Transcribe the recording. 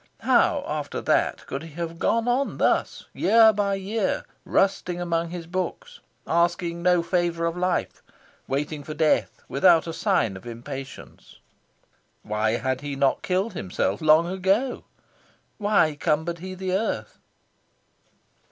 How, after that, could he have gone on thus, year by year, rusting among his books, asking no favour of life, waiting for death without a sign of impatience? Why had he not killed himself long ago? Why cumbered he the earth?